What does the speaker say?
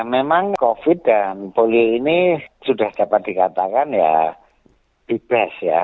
memang covid dan polio ini sudah dapat dikatakan ya bebas ya